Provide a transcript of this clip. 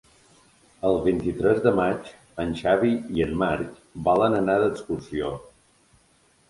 El vint-i-tres de maig en Xavi i en Marc volen anar d'excursió.